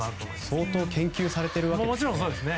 相当研究されているわけですね。